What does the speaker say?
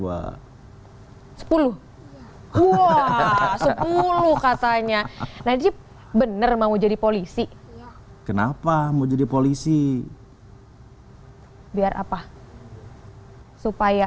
wah sepuluh wah sepuluh katanya najib bener mau jadi polisi kenapa mau jadi polisi hai biar apa supaya